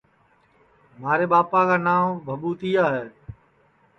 مھارے ٻاپا کا نانٚو بھٻُوتِیا ہے